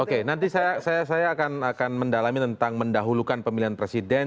oke nanti saya akan mendalami tentang mendahulukan pemilihan presiden